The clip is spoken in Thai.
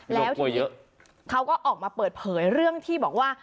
แล้วเขาก็ออกมาเปิดเผยเรื่องที่บอกว่า